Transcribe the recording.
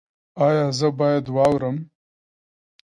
ایا زه باید واورم؟